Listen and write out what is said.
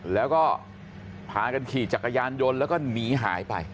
แล้วก็พากันขี่จักรยานยนต์แล้วก็หนีหายไป